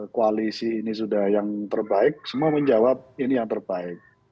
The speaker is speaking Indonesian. koalisi ini sudah yang terbaik semua menjawab ini yang terbaik